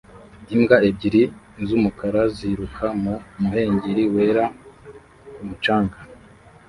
Imbwa ebyiri z'umukara ziruka mu muhengeri wera ku mucanga